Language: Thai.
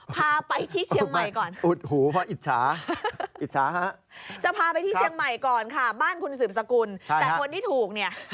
แต่คนที่ถูกเนี่ย